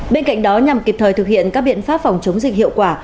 bên cạnh đó nhằm kịp thời thực hiện các biện pháp phòng chống dịch hiệu quả